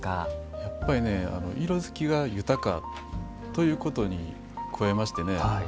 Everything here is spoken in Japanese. やっぱり色づきが豊かということに加えましてね